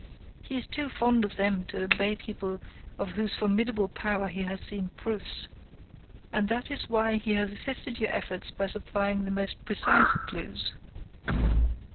He is too fond of them to disobey people of whose formidable power he has seen proofs. And that is why he has assisted your efforts by supplying the most precise clues."